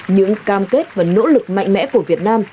những cam kết và nỗ lực mạnh mẽ của việt nam